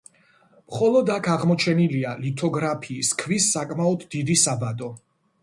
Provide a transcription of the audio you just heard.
მხოლოდ აქ აღმოჩენილია ლითოგრაფიის ქვის საკმაოდ დიდი საბადო.